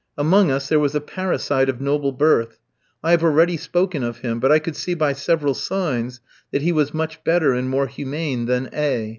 Among us there was a parricide of noble birth. I have already spoken of him; but I could see by several signs that he was much better and more humane than A f.